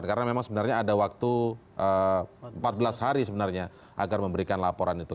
karena memang sebenarnya ada waktu empat belas hari sebenarnya agar memberikan laporan itu